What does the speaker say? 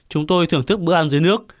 chúng tôi thưởng thức bữa ăn dưới nước